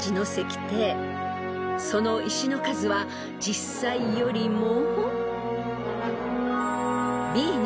［その石の数は実際よりも］